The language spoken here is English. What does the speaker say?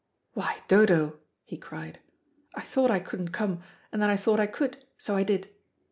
"Why, Dodo," he cried, "I thought I couldn't come, and then I thought I could, so I did."